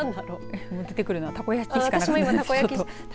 今出てくるのはたこ焼きしかない。